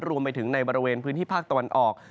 รวมไปถึงในบริเวณพื้นที่ภาคตะวันออก